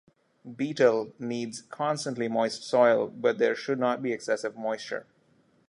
Betel needs constantly moist soil, but there should not be excessive moisture.